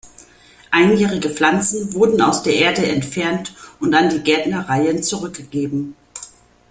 Einjährige Pflanzen wurden aus der Erde entfernt und an die Gärtnereien zurückgegeben.